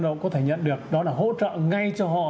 họ có thể nhận được đó là hỗ trợ ngay cho họ